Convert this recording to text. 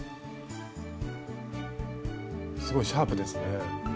すごいシャープですね。